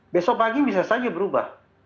besok pagi bisa saja berubah